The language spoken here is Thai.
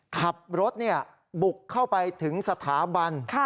ขับรถบุกเข้าไปถึงสถาบัน